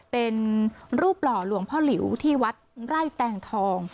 เป็นรูปหล่อหลวงพ่อหลิวที่วัดไร่แตงทอง